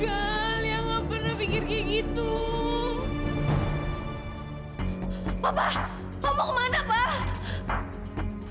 apa apa enggak lia gak pernah pikir kayak gitu